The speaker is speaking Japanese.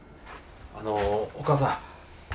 あのお母さん